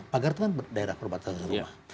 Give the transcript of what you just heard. pagar itu kan daerah perbatasan rumah